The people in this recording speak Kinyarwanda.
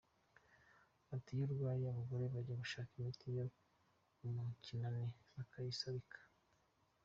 Ati “Iyo urwaye abagore bajya gushaka imiti yo mu kinani bakayisabika.